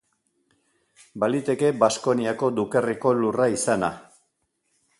Baliteke Baskoniako dukerriko lurra izana.